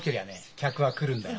客は来るんだよ。